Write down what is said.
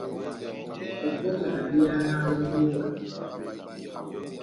Opɔ́kwɛ na dihanaha ó mbówa.